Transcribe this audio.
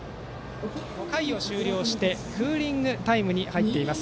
５回を終了してクーリングタイム入っています。